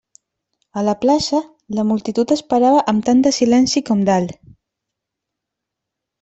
A la plaça, la multitud esperava amb tant de silenci com dalt.